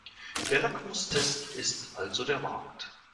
Der Lackmus-Test ist also der Markt.